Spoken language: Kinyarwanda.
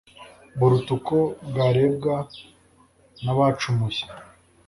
Buruta uko bwarebwa n'abacumuye.